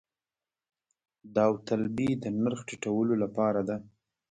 داوطلبي د نرخ ټیټولو لپاره ده